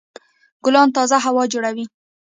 ګلان تازه هوا جوړوي.